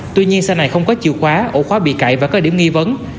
tuy nhiên xe này không có chiều khóa ổ khóa bị cậy và có điểm nghi vấn